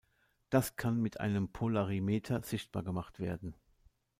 Das kann mit einem Polarimeter sichtbar gemacht werden.